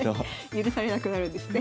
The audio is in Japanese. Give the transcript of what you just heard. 許されなくなるんですね。